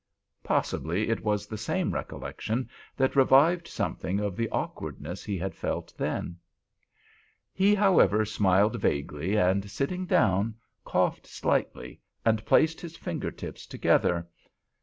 Possibly it was the same recollection that revived something of the awkwardness he had felt then. He, however, smiled vaguely and, sitting down, coughed slightly, and placed his fingertips together.